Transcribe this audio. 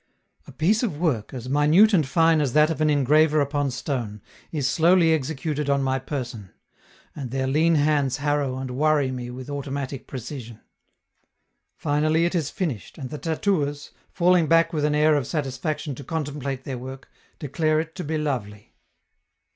A piece of work, as minute and fine as that of an engraver upon stone, is slowly executed on my person; and their lean hands harrow and worry me with automatic precision. Finally it is finished, and the tattooers, falling back with an air of satisfaction to contemplate their work, declare it to be lovely.